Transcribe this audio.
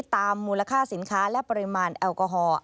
มูลค่าสินค้าและปริมาณแอลกอฮอล์